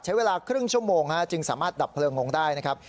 ใช้เวลาครึ่งชั่วโมงจึงสามารถดับเพลิงลงได้นะครับ